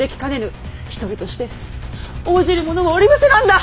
一人として応じるものはおりませなんだ。